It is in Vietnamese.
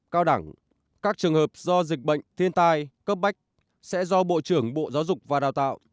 cao đẳng các trường hợp do dịch bệnh thiên tai cấp bách sẽ do bộ trưởng bộ giáo dục và đào tạo